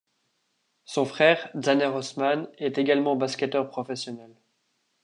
Son frère, Dzaner Osman, est également basketteur professionnel.